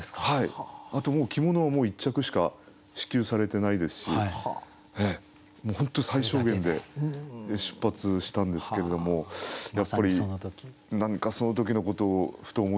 あともう着物はもう１着しか支給されてないですしもう本当に最小限で出発したんですけれどもやっぱり何かその時のことをふと思い出しましたね。